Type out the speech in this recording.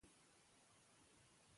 لاسونه پاک وساته.